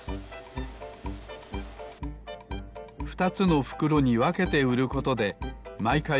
２つのふくろにわけてうることでまいかい